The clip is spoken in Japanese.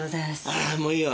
ああもういいよ。